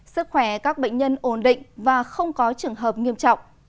sức khỏe các bệnh nhân ổn định và không có trường hợp nghiêm trọng